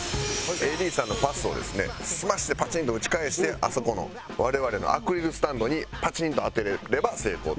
ＡＤさんのパスをですねスマッシュでパチンと打ち返してあそこの我々のアクリルスタンドにパチンと当てれれば成功と。